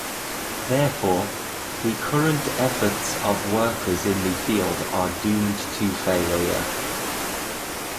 Therefore, the current efforts of workers in the field are doomed to failure.